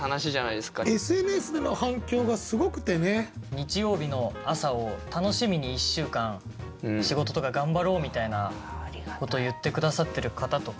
日曜日の朝を楽しみに１週間仕事とか頑張ろうみたいなことを言って下さってる方とか。